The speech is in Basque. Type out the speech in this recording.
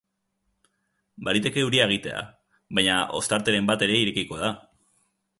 Baliteke euria egitea, baina ostarteren bat ere irekiko da.